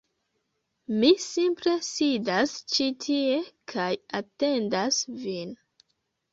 Mi simple sidas ĉi tie kaj atendas vin